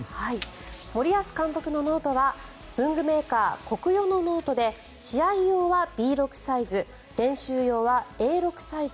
森保監督のノートは文具メーカー、コクヨのノートで試合用はＢ６サイズ練習用はＡ６サイズ。